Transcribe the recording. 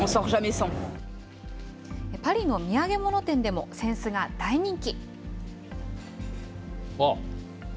パリの土産物店でも扇子が大人気。